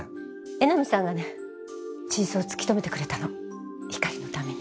江波さんがね真相を突きとめてくれたのひかりのために。